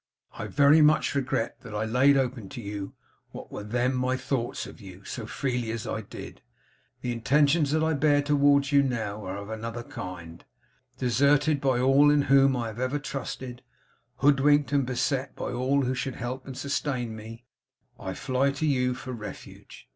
I very much regret that I laid open to you what were then my thoughts of you, so freely as I did. The intentions that I bear towards you now are of another kind; deserted by all in whom I have ever trusted; hoodwinked and beset by all who should help and sustain me; I fly to you for refuge.